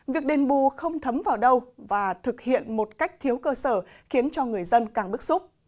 việc đền bù không thấm vào đâu và thực hiện một cách thiếu cơ sở khiến cho người dân càng bức xúc